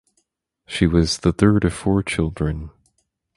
She was the third of four children.